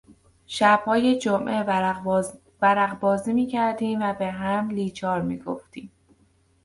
شبهای جمعه ورق بازی میکردیم و به هم لیچار میگفتیم.